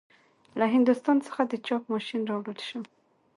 له هندوستان څخه د چاپ ماشین راوړل شو.